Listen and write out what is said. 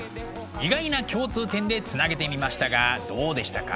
意外な共通点でつなげてみましたがどうでしたか？